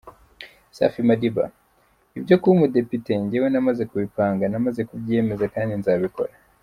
Safi Madiba: Ibyo kuba umudepite njyewe namaze kubipanga, namaze kubyiyemeza kandi nzabikora.